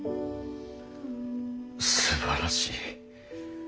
すばらしい。